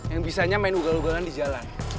yang bisanya main ugal ugalan di jalan